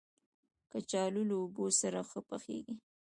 کچالو له اوبو سره ښه پخېږي